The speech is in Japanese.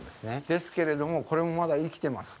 ですけれどもこれもまだ生きてます。